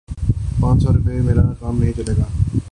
پانچ سو روپے سے میرا کام نہیں چلے گا